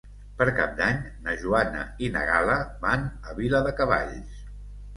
Per Cap d'Any na Joana i na Gal·la van a Viladecavalls.